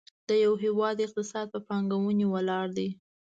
د یو هېواد اقتصاد په پانګونې ولاړ دی.